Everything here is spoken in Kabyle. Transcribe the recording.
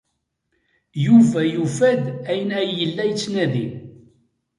Yuba yufa-d ayen ay yella yettnadi.